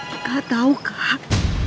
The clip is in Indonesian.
kak tau kak